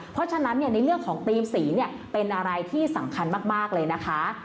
เพราะฉะนั้นในเรื่องของตีสีเป็นอะไรที่สำคัญมากเลยนะคะ